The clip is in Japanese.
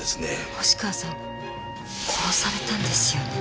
星川さん殺されたんですよね？